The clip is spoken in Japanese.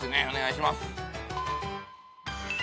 お願いします。